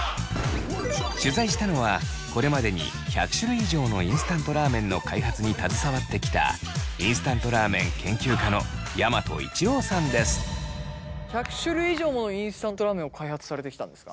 取材したのはこれまでに１００種類以上のインスタントラーメンの開発に携わってきた１００種類以上のインスタントラーメンを開発されてきたんですか？